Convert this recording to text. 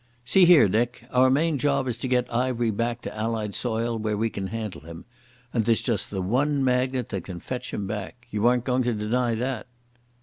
"See here, Dick. Our main job is to get Ivery back to Allied soil where we can handle him. And there's just the one magnet that can fetch him back. You aren't going to deny that."